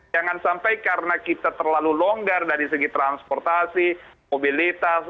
jangan sampai karena kita terlalu longgar dari segi transportasi mobilitas